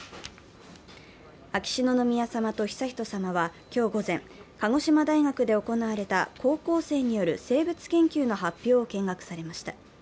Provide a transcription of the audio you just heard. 秋篠宮さまと悠仁さまは今日午前、鹿児島大学で行われた高校生による生物研究の発表を見学されました。